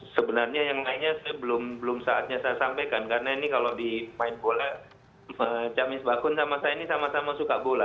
sebenarnya yang lainnya belum saatnya saya sampaikan karena ini kalau di main bola camis bakun sama saya ini sama sama suka bola